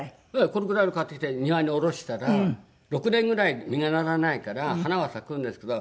このぐらいの買ってきて庭に下ろしたら６年ぐらい実がならないから花は咲くんですけど。